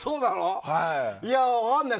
いや、分からない。